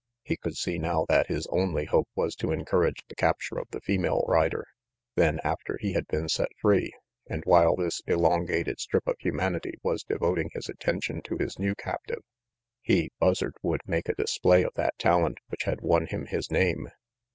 He could see now that his onlv 104 RANGY PETE hope was to encourage the capture of the female rider; then, after he had been set free, and while this elongated strip of humanity was devoting his attention to his new captive, he, Buzzard, would make a display of that talent which had won him his name.